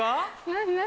何何？